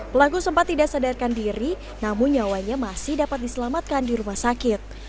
pelaku sempat tidak sadarkan diri namun nyawanya masih dapat diselamatkan di rumah sakit